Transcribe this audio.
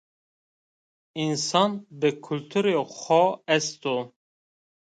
Însan bi kulturê xo est o